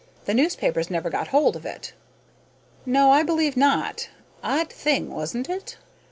The newspapers never got hold of it." "No, I believe not. Odd thing, wasn't it?"